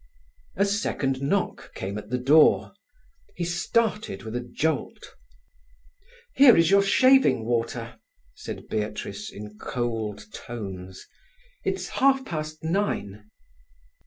A second knock came at the door. He started with a jolt. "Here is your shaving water," said Beatrice in cold tones. "It's half past nine."